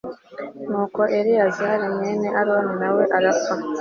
nuko eleyazari mwene aroni na we arapfa